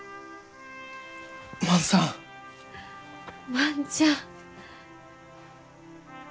万ちゃん！